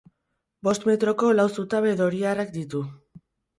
Bost metroko lau zutabe doriarrak ditu.